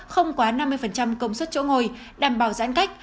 không quá năm mươi công suất chỗ ngồi đảm bảo giãn cách